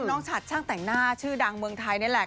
ฉัดช่างแต่งหน้าชื่อดังเมืองไทยนี่แหละ